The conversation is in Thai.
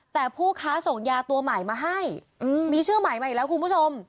แต่ผู้ค้าส่งยาตัวใหม่มาให้มีชื่อใหม่มาอีกแล้วคุณผู้ชม